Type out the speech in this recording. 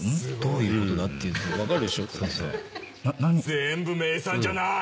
全部名産じゃない。